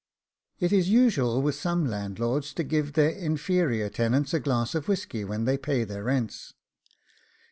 It is usual with some landlords to give their inferior tenants a glass of whisky when they pay their rents.